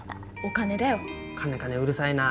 金金うるさいな！